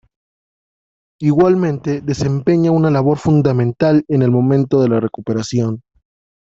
Igualmente desempeña una labor fundamental en el momento de la recuperación.